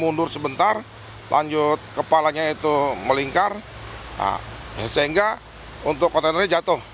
mundur sebentar lanjut kepalanya itu melingkar sehingga untuk kontainernya jatuh